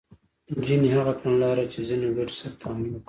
جیني هغه کړنلاره چې ځینو ګټو سره تعامل نه کوي